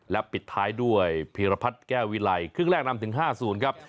และปิดท้ายด้วยพีรพัฒน์แก้ววิไลครึ่งแรกนำถึง๕๐ครับ